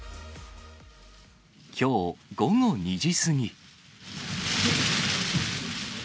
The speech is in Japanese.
きょう午後２時過ぎ。